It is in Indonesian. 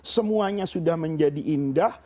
semuanya sudah menjadi indah